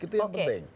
itu yang penting